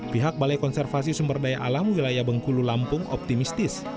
pihak balai konservasi sumberdaya alam wilayah bengkulu lampung optimistis